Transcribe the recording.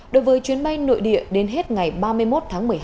đối với chuyến bay nội địa đến hết ngày ba mươi một tháng một mươi hai